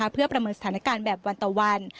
เพื่อประเมินสถานการณ์แบบวันต่อวัน